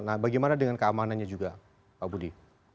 nah bagaimana dengan keamanannya juga pak budi